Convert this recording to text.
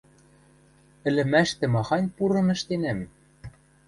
Ӹлӹмӓштӹ махань пурым ӹштенӓм?